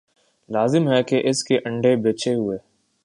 لازم ہے کہ اس کے انڈے بچے ہوں۔